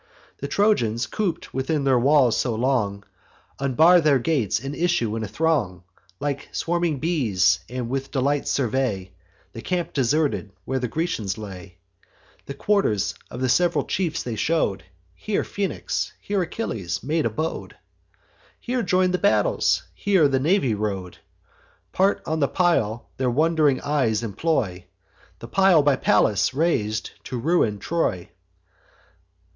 The Trojans, coop'd within their walls so long, Unbar their gates, and issue in a throng, Like swarming bees, and with delight survey The camp deserted, where the Grecians lay: The quarters of the sev'ral chiefs they show'd; Here Phoenix, here Achilles, made abode; Here join'd the battles; there the navy rode. Part on the pile their wond'ring eyes employ: The pile by Pallas rais'd to ruin Troy.